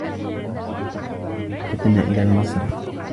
عدن إلى المصرف.